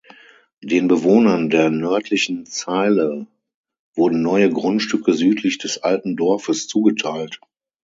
Den Bewohnern der nördlichen Zeile wurden neue Grundstücke südlich des alten Dorfes zugeteilt.